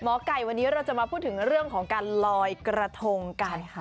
ไก่วันนี้เราจะมาพูดถึงเรื่องของการลอยกระทงกันค่ะ